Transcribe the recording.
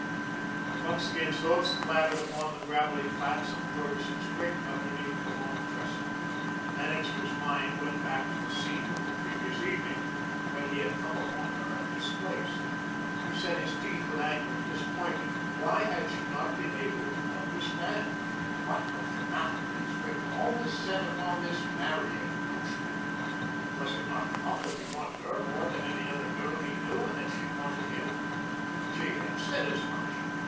The buckskin's hoofs clattered upon the gravelly flats of Broderson's Creek underneath the Long Trestle. Annixter's mind went back to the scene of the previous evening, when he had come upon her at this place. He set his teeth with anger and disappointment. Why had she not been able to understand? What was the matter with these women, always set upon this marrying notion? Was it not enough that he wanted her more than any other girl he knew and that she wanted him? She had said as much.